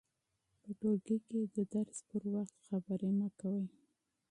په ټولګي کې د درس پر مهال خبرې مه کوئ.